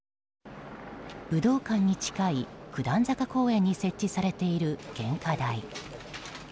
武道館に近い九段坂公園に設置されている献花台。